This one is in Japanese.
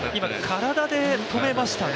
体で止めましたね。